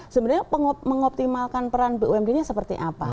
sebenarnya mengoptimalkan peran bumd nya seperti apa